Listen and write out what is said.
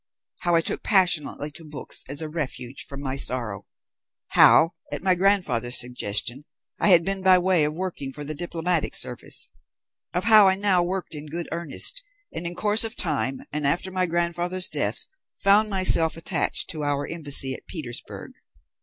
How I took passionately to books as a refuge from my sorrow; how, at my grandfather's suggestion, I had been by way of working for the Diplomatic Service; of how I now worked in good earnest, and in course of time, and after my grandfather's death, found myself attached to our embassy at Petersburg.